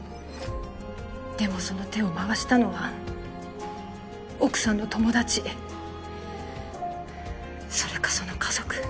でもその手を回したのは奥さんの友達それかその家族。